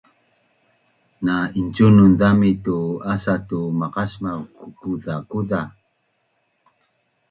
ma’incun zami tu asa tu maqasmav kuzakuza